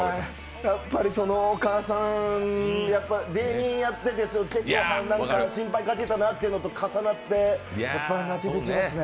やっぱりお母さん芸人やってて結構心配かけたなというのと重なって、泣けてきますね。